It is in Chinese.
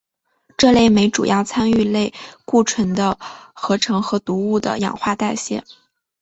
这类酶主要参与类固醇的合成和毒物的氧化代谢。